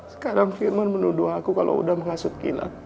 sekarang firman menuduh aku kalau udah mengasuh gilang